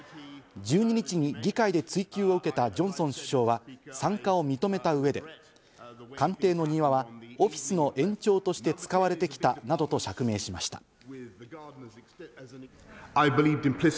１２日に議会で追及を受けたジョンソン首相は参加を認めた上で官邸の庭はオフィスの延長として使われてきたなどと釈明しました。